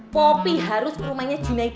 popi harus ke rumahnya jun id